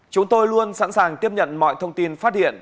chúng tôi luôn sẵn sàng tiếp nhận mọi thông tin phát hiện